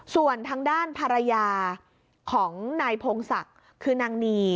ส่วนทางด้านภรรยาของนายพงศักดิ์คือนางนี